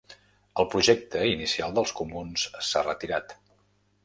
El projecte inicial dels comuns s'ha retirat.